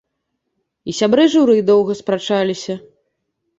І сябры журы доўга спрачаліся.